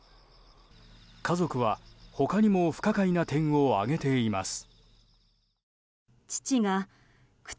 家族は他にも不可解な点を挙げています。